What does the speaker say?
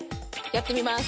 やってみます。